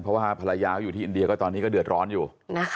เพราะว่าภรรยาเขาอยู่ที่อินเดียก็ตอนนี้ก็เดือดร้อนอยู่